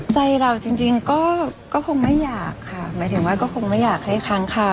ใจเราจริงก็คงไม่อยากค่ะหมายถึงว่าก็คงไม่อยากให้ค้างคา